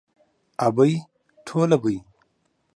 ابۍ ټوله بۍ.